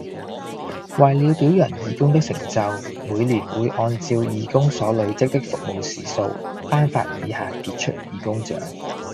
為了表揚義工的成就，每年會按照義工所累積的服務時數，頒發以下傑出義工獎